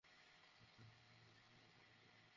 হ্যাঁ, তবে ব্রেকাপের ব্যাপারটা আগে বলবেন!